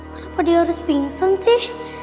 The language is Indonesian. kenapa dia harus pingsan sih